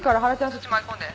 そっち回り込んで。